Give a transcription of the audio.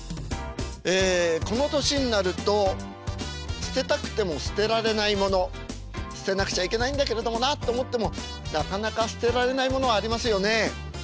ええこの年になると捨てたくても捨てられないもの捨てなくちゃいけないんだけれどもなと思ってもなかなか捨てられないものありますよね。